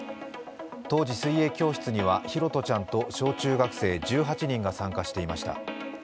当時、水泳教室には拓杜ちゃんと小中学生１８人が参加していました。